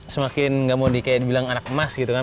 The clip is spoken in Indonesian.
semakin gak mau dibilang anak emas gitu kan